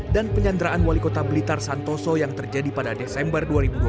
dan penyanderaan wali kota blitar santoso yang terjadi pada desember dua ribu dua puluh dua